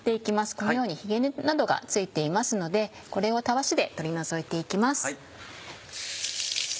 このようにひげ根などが付いていますのでこれをたわしで取り除いて行きます。